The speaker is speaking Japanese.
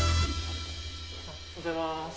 おはようございます。